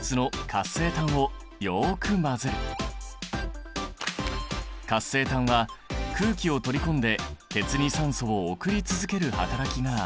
活性炭は空気を取り込んで鉄に酸素を送り続ける働きがある。